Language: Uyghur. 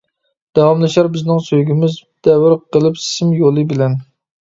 داۋاملىشار بىزنىڭ سۆيگۈمىز، دەۋر قىلىپ سىم يولى بىلەن.